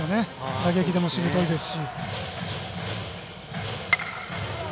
打撃でもしぶといですし。